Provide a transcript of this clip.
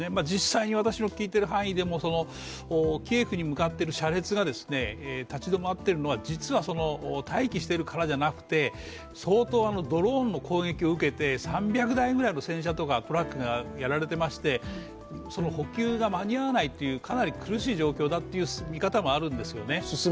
実際に私の聞いている範囲でもキエフに向かってる車列が立ち止まってるのは実は待機しているからじゃなくて、相当ドローンの攻撃を受けて３００台ぐらいの戦車とかトラックがやられていまして補給が間に合わないという、かなり苦しい状況という見方もあるんです。